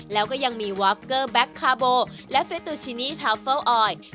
แล้วก็ยังมีวอฟเกอร์แบคคาร์โบและเฟตุชินีทรัฟเฟิลออยล์